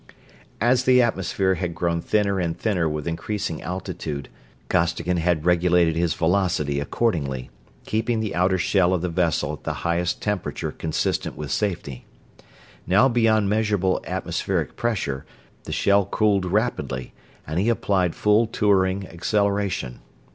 As the atmosphere had grown thinner and thinner with increasing altitude Costigan had regulated his velocity accordingly, keeping the outer shell of the vessel at the highest temperature consistent with safety. Now beyond measurable atmospheric pressure, the shell cooled rapidly and he applied full touring acceleration.